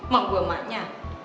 mau gue emaknya